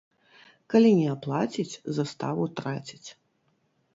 Калі не аплаціць, заставу траціць.